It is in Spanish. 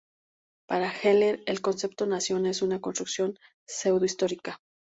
Para Heller el concepto nación es una construcción pseudo histórica.